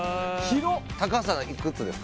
高さがいくつですか？